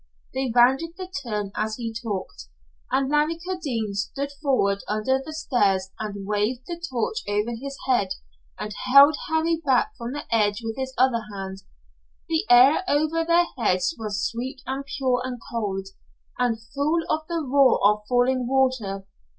They rounded the turn as he talked, and Larry Kildene stood forward under the stars and waved the torch over his head and held Harry back from the edge with his other hand. The air over their heads was sweet and pure and cold, and full of the roar of falling water.